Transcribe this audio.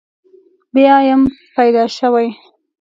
بیا یم پیدا شوی.